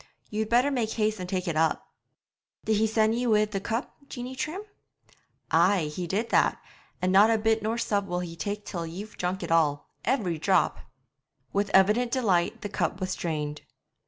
You'd better make haste and take it up.' 'Did he send ye wi' the cup, Jeanie Trim?' 'Ay, he did that; and not a bit nor sup will he tak till ye've drunk it all, every drop.' With evident delight the cup was drained.